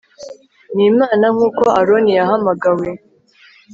n Imana nk uko Aroni yahamagawe